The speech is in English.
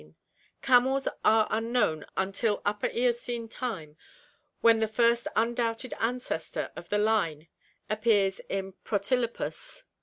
— Camels are unknown until Upper Eocene time when the first undoubted ancestor of the line appears in Protylopus (Fig.